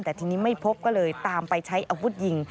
แต่ทีนี้ไม่พบก็เลยตามไปใช้อาวุธยิง